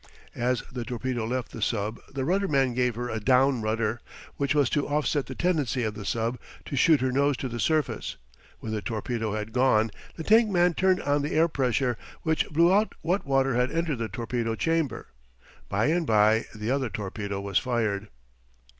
As the torpedo left the sub the rudder man gave her a "down" rudder, which was to offset the tendency of the sub to shoot her nose to the surface; when the torpedo had gone the tank man turned on the air pressure, which blew out what water had entered the torpedo chamber. By and by the other torpedo was fired.